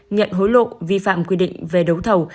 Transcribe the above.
nhận hối lộ vi phạm quy định về đấu thầu